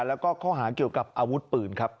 แล้วก็ข้อหาเกี่ยวกับอาวุธปืนครับ